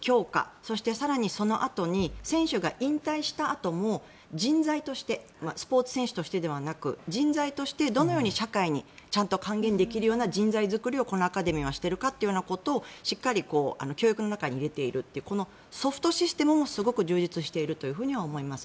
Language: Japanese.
そして、更にそのあとに選手が引退したあとも人材としてスポーツ選手としてではなく人材として、どのように社会に還元できるような人材作りをこのアカデミーはしているかということをしっかり教育の中に入れているというソフトシステムもすごく充実しているとは思います。